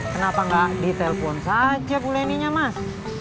kenapa nggak di telpon saja bu leninya mas